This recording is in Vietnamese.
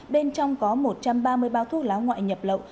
bên trong có một trăm ba mươi bao thuốc lá ngoại nhập lậu